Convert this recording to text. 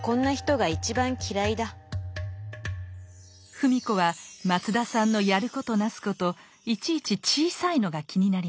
芙美子は松田さんのやることなすこといちいち「小さい」のが気になります。